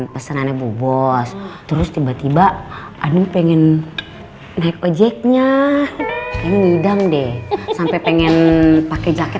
pesenannya bos terus tiba tiba ada pengen naik ojeknya ini dang deh sampai pengen pakai jaket